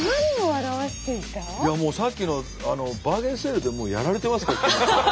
いやもうさっきのバーゲンセールでもうやられてます。